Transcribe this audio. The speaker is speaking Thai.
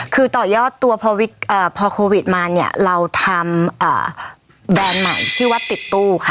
คือต่อยอดตัวพอโควิดมาเนี่ยเราทำแบรนด์ใหม่ที่วัดติดตู้ค่ะ